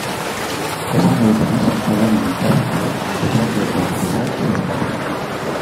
Esan ohi denez, Kolonen itsasontziek Otxandioko iltzeak zeuzkaten.